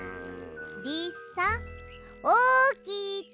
リスさんおきて！